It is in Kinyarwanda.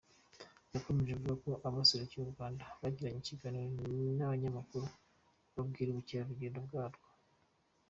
Yakomeje avuga ko abaserukiye u Rwanda bagiranye ikiganiro n’abanyamakuru, bababwira ubukerarugendo bwarwo.